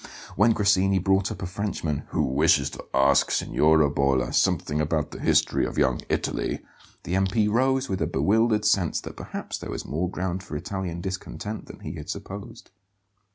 When Grassini brought up a Frenchman "who wishes to ask Signora Bolla something about the history of Young Italy," the M. P. rose with a bewildered sense that perhaps there was more ground for Italian discontent than he had supposed.